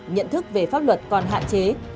nhận thức về pháp luật còn hạn chế